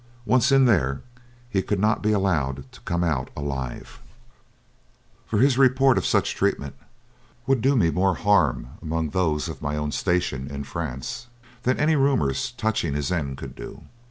Once in there he could not be allowed to come out alive, for his report of such treatment would do me more harm among those of my own station in France than any rumours touching his end could do.